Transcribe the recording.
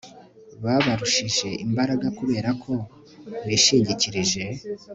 babarushije imbaraga kubera ko bishingikirije